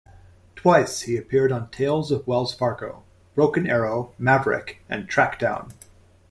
Twice he appeared on "Tales of Wells Fargo", "Broken Arrow", "Maverick", and "Trackdown".